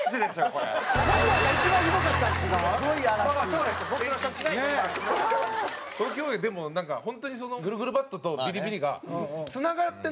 この競技でもなんかホントにそのぐるぐるバットとビリビリが繋がってないというか。